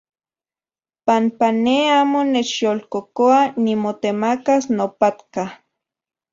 Panpa ne amo nechyolkokoa nimotemakas mopatka.